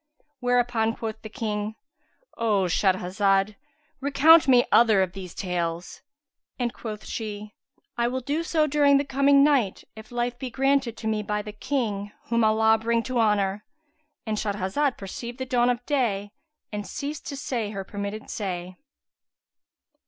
'" Whereupon quoth the King, "O Shahrazad, recount me other of these tales!"; and quoth she, "I will do so during the coming night, if life be granted to by the King whom Allah bring to honour!"—And Shahrazad perceived the dawn of day and ceased to say her permitted say.